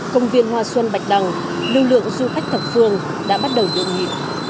công viên hoa xuân bạch đằng lực lượng du khách thật phương đã bắt đầu được nhịp